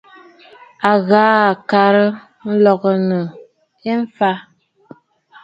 A ghaa ŋkarə nlɔɔ nɨ̂ ɨ̀fàʼà.